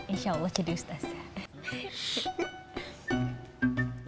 insya allah jadi ustazah